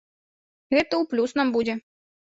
Гэта ў плюс нам будзе.